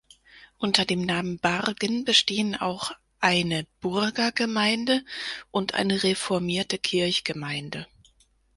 Unter dem Namen Bargen bestehen auch eine Burgergemeinde und eine reformierte Kirchgemeinde.